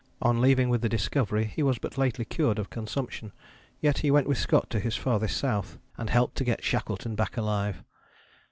On leaving with the Discovery he was but lately cured of consumption, yet he went with Scott to his farthest South, and helped to get Shackleton back alive.